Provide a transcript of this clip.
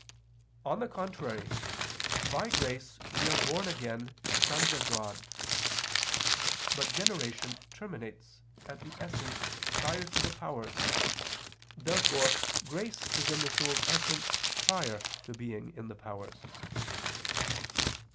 On the contrary, By grace we are born again sons of God. But generation terminates at the essence prior to the powers. Therefore grace is in the soul's essence prior to being in the powers.